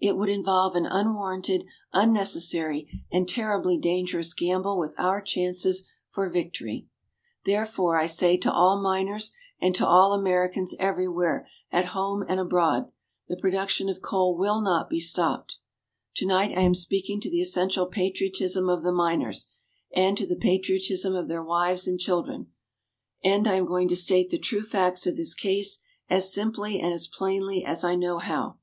It would involve an unwarranted, unnecessary and terribly dangerous gamble with our chances for victory. Therefore, I say to all miners and to all Americans everywhere, at home and abroad the production of coal will not be stopped. Tonight, I am speaking to the essential patriotism of the miners, and to the patriotism of their wives and children. And I am going to state the true facts of this case as simply and as plainly as I know how.